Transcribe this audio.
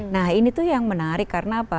nah ini tuh yang menarik karena apa